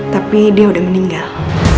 tapi dia udah meninggal